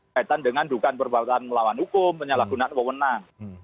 kaitan dengan dugaan perbataan melawan hukum penyalahgunan kewenangan